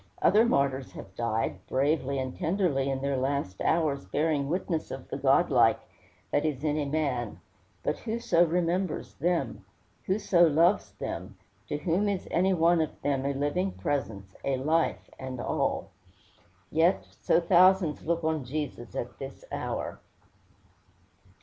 Other martyrs have died, bravely and tenderly, in their last hours "bearing witness of the godlike" that is in man; but who so remembers them? Who so loves them? To whom is any one of them a living presence, a life, and all? Yet so thousands look on Jesus at this hour.